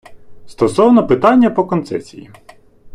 Стосовно питання по концесії.